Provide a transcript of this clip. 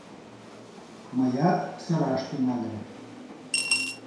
Мыят сыраш тӱҥальым: